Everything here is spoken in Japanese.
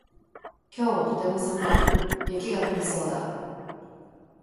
今日はとても寒い。雪が降りそうだ。